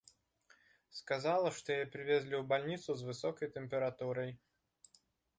Сказала, што яе прывезлі ў бальніцу з высокай тэмпературай.